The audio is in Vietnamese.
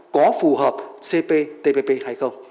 có phù hợp cptpp hay không